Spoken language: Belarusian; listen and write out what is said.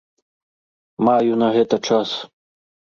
Маю на гэта час.